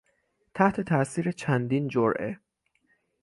تحت تاثیر چندین جرعه